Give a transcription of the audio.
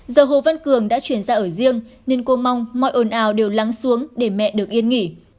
giờ hồ văn cường đã chuyển ra ở riêng nên cô mong mọi ồn ào đều lắng xuống để mẹ được yên nghỉ